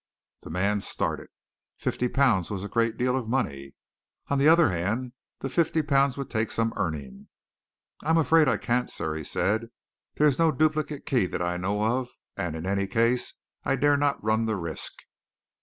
The man started. Fifty pounds was a great deal of money. On the other hand, the fifty pounds would take some earning. "I am afraid I can't, sir," he said. "There is no duplicate key that I know of, and in any case I dare not run the risk."